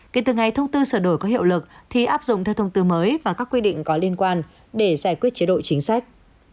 kể từ ngày thông tư sửa đổi có hiệu lực thì áp dụng theo thông tư mới và các quy định có liên quan để giải quyết chế độ chính sách